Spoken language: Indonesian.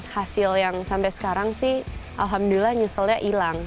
hasil yang sampai sekarang sih alhamdulillah nyeselnya hilang